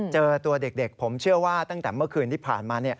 เจอตัวเด็กผมเชื่อว่าตั้งแต่เมื่อคืนที่ผ่านมา